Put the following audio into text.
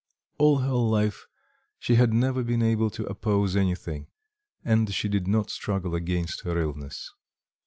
All her life she had never been able to oppose anything, and she did not struggle against her illness.